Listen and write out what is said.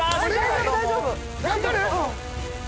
大丈夫大丈夫。